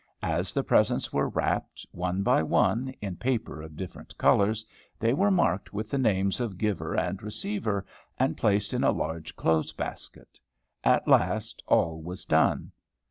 As the presents were wrapped, one by one, in paper of different colors, they were marked with the names of giver and receiver, and placed in a large clothes basket. At last all was done.